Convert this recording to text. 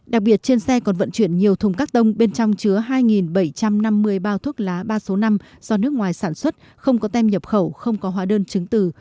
đặc biệt trên xe còn vận chuyển nhiều thùng các tông bên trong chứa hai bảy trăm năm mươi bao thuốc lá ba trăm sáu mươi năm do nước ngoài sản xuất không có tem nhập khẩu không có hóa đơn chứng từ